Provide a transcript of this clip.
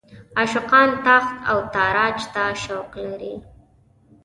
عاشقان تاخت او تاراج ته شوق لري.